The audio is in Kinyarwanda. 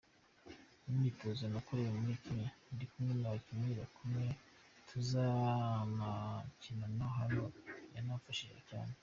Imyitozo nakoreye muri Kenya ndi kumwe n’abakinnyi bakomeye tuzanakinana hano yaramfashije cyane.